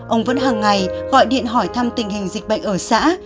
ông vẫn hàng ngày gọi điện hỏi thăm tình hình dịch bệnh ở xã